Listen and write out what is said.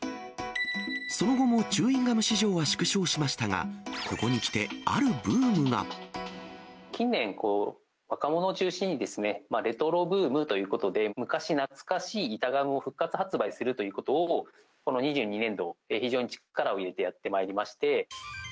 その後もチューインガム市場は縮小しましたが、ここにきて、近年、若者を中心にレトロブームということで、昔懐かしい板ガムを復活発売するということを、この２２年度、非常に力を入れてやってまいりまして。